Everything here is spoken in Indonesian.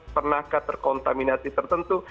pernahkah terkontaminasi tertentu